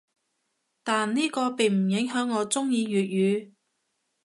但呢個並唔影響我中意粵語‘